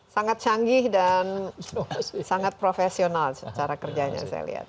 sangat canggih dan sangat profesional cara kerjanya saya lihat